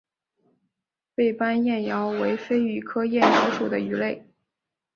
背斑燕鳐为飞鱼科燕鳐属的鱼类。